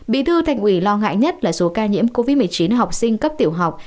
bí thư thành ủy lo ngại nhất là số ca nhiễm covid một mươi chín học sinh cấp tiểu học